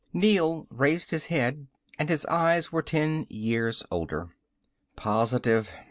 Neel raised his head and his eyes were ten years older. "Positive.